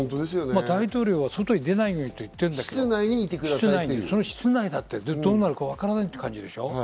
大統領は外に出ないようにと言ってるんだけど、その室内だって、どうなるかわからないって感じでしょ？